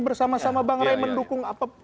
bersama sama bang ray mendukung apa